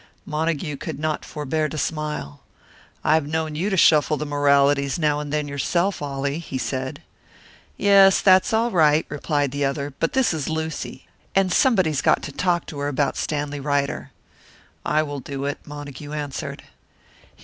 Montague could not forbear to smile. "I have known you to shuffle the moralities now and then yourself, Ollie," he said. "Yes, that's all right," replied the other. "But this is Lucy. And somebody's got to talk to her about Stanley Ryder." "I will do it," Montague answered.